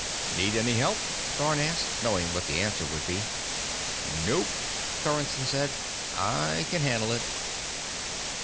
"Need any help?" Thorn asked, knowing what the answer would be. "Nope," Sorensen said. "I can handle it."